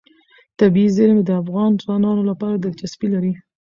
طبیعي زیرمې د افغان ځوانانو لپاره دلچسپي لري.